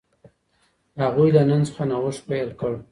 هغوی له نن څخه نوښت پیل کړ.